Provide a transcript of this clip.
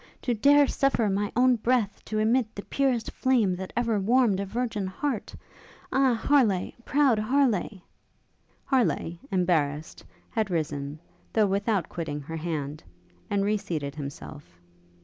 to dare suffer my own breath to emit the purest flame that ever warmed a virgin heart? Ah! Harleigh! proud Harleigh! ' Harleigh, embarrassed had risen, though without quitting her hand, and re seated himself.